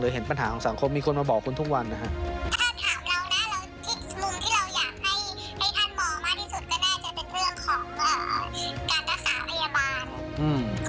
หรือเห็นปัญหาของสังคมมีคนมาบอกคุณทุกวันนะครับ